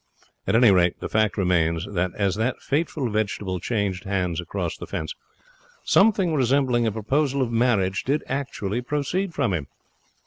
At any rate, the fact remains that, as that fateful vegetable changed hands across the fence, something resembling a proposal of marriage did actually proceed from him.